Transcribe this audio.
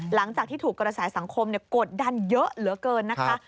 หลังจากที่ถูกกระแสสังคมกดดันเยอะเหลือเกินนะคะ